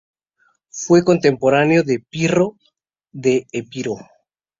Fue contemporáneo de Pirro de Epiro.